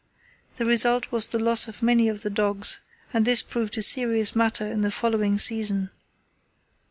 The result was the loss of many of the dogs, and this proved a serious matter in the following season.